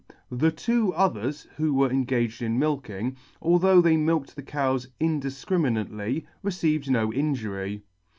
The two others who were engaged in milking, although they milked the cows indifcrimi nately, received no injury.